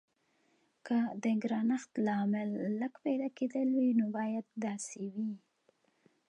که د ګرانښت لامل لږ پیدا کیدل وي نو باید داسې وي.